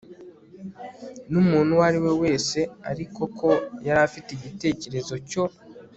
Numuntu uwo ari we wese ariko ko yari afite igitekerezo cyo